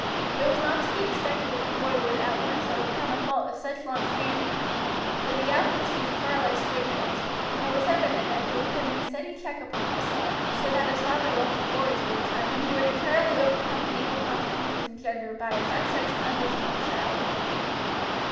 It was not to be expected that the boy would at once overcome a fault of such long standing, but the outbursts were far less frequent, and it was evident that he was putting a steady check upon himself; so that his father looked forward to the time when he would entirely overcome the evil consequences engendered by his unchecked and undisciplined childhood.